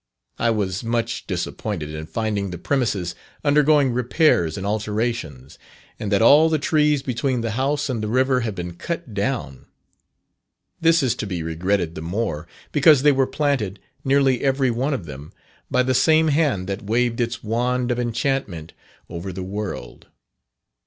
I was much disappointed in finding the premises undergoing repairs and alterations, and that all the trees between the house and the river had been cut down. This is to be regretted the more, because they were planted, nearly every one of them, by the same hand that waved its wand of enchantment over the world.